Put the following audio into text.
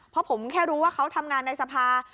เพราะผมแค่รู้ว่าเขาทำงานในสภา